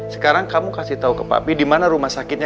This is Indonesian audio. sekarang kamu kasih tau ke papi dimana rumah sakitnya